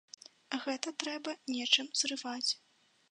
Гэта трэба нечым зрываць.